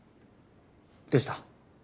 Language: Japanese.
どうした？